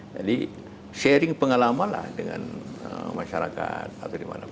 jadi sharing pengalamanlah dengan masyarakat atau di mana pun